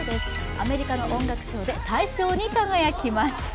アメリカの音楽祭で大賞に輝きました。